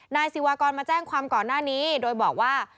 นายศิวากรมาแจ้งความก่อนหน้านี้โดยบอกว่า